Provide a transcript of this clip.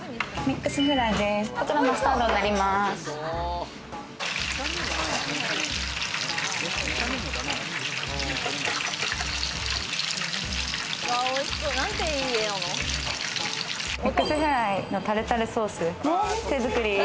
ミックスフライのタルタルソースも手づくり。